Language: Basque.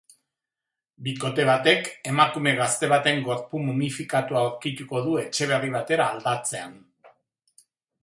Bikote batek emakume gazte baten gorpu momifikatua aurkituko du etxe berri batera aldatzean.